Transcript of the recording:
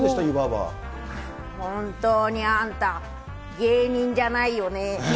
本当にあんた、芸人じゃないよね。